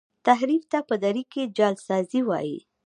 تحریف ته په دري کي جعل سازی وايي.